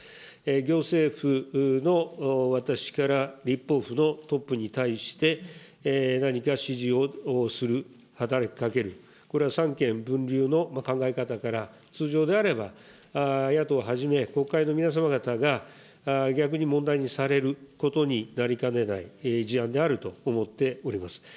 行政府の私から、立法府のトップに対して、何か指示をする、働きかける、これは三権ぶんりゅうの考え方から通常であれば、野党をはじめ国会の皆様方が、逆に問題にされることになりかねない事案であると思っております。